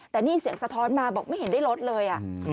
แต่นี่เสียงสะท้อนมาบอกไม่เห็นได้ลดเลย